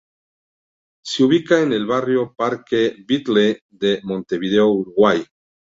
Se ubica en el Barrio Parque Batlle de Montevideo, Uruguay.